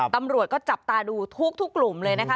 ตำรวจก็จับตาดูทุกกลุ่มเลยนะคะ